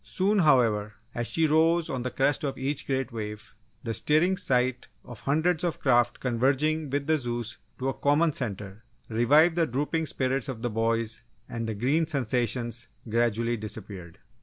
Soon, however, as she rose on the crest of each great wave, the stirring sight of hundreds of craft converging with the Zeus to a common centre, revived the drooping spirits of the boys and the "green" sensations gradually disappeared.